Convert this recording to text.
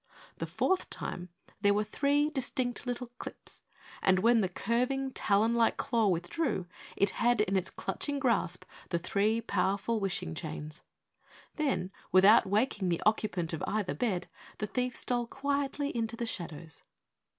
The fourth time there were three distinct little clips, and when the curving talon like claw withdrew, it had in its clutching grasp the three powerful wishing chains. Then, without waking the occupant of either bed, the thief stole quietly into the shadows.